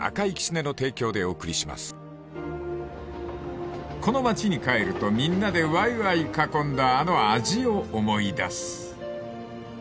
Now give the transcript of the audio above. あぁ［この町に帰るとみんなでわいわい囲んだあの味を思い出す］